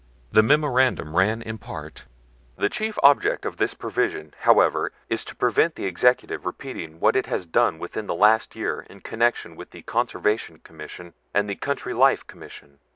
The memorandum ran in part: "The chief object of this provision, however, is to prevent the Executive repeating what it has done within the last year in connection with the Conservation Commission and the Country Life Commission.